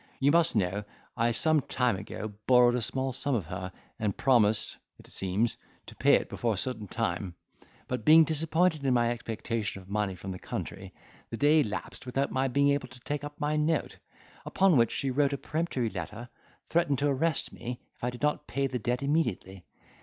You must know, that some time ago I borrowed a small sum of her and promised, it seems, to pay it before a certain time; but being disappointed in my expectation of money from the country, the day elapsed without my being able to take up my note; upon which she wrote a peremptory letter, threatening to arrest me, if I did not pay the debt immediately.